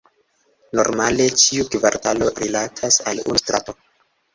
Normale ĉiu kvartalo rilatas al unu strato.